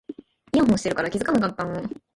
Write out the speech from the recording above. イヤホンしてるから気がつかなかった